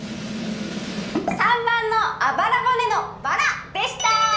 ③ばんのあばらぼねのバラでした！